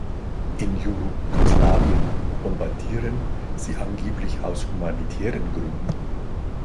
In Jugoslawien bombardieren Sie angeblich aus "humanitären Gründen" .